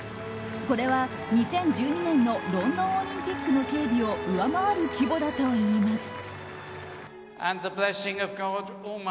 これは２０１２年のロンドンオリンピックの警備を上回る規模だといいます。